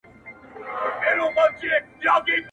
په چا دي ورلېږلي جهاني د قلم اوښکي.!